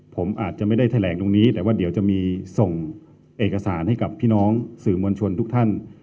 ผมอาจจะไม่ได้แถลงตรงนี้แต่ว่าเดี๋ยวจะมีส่งเอกสารให้กับพี่น้องสื่อมวลชนทุกท่าน